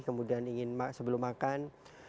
kemudian ingin sebelum makan